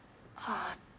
ああ。